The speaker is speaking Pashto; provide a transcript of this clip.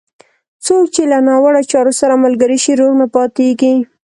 څوک چې له ناوړه چارو سره ملګری شي، روغ نه پاتېږي.